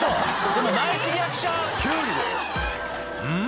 でもナイスリアクションん？